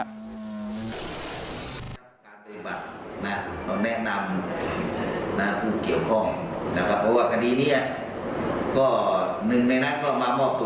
ไล่กล้องนี่เป็นเรื่องมันเช่นนี้พนิอยาตาคอร์นต่างนะฮะ